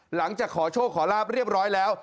หลังจากขอโชคขอลาบเรียบร้อยแล้ว